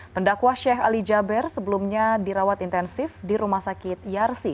pendakwa sheikh ali jaber sebelumnya dirawat intensif di rumah sakit yarsi